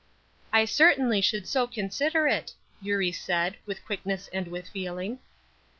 "I certainly should so consider it," Eurie said, with quickness and with feeling.